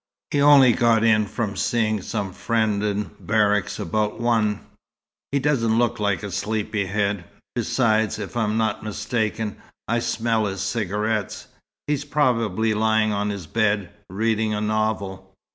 "He only got in from seeing some friend in barracks, about one. He doesn't look like a sleepy head. Besides, if I'm not mistaken, I smell his cigarettes. He's probably lying on his bed, reading a novel."